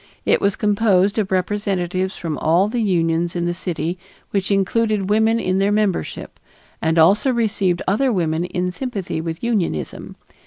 It was composed of representatives from all the unions in the city which included women in their membership and also received other women in sympathy with unionism.